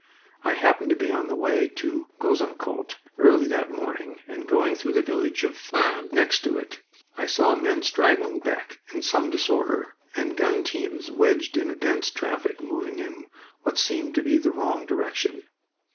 I happened to be on the way to Gouzeaucourt early that morning, and, going through the village of Fins, next to it, I saw men straggling back in some disorder, and gun teams wedged in a dense traffic moving in what seemed to me the wrong direction.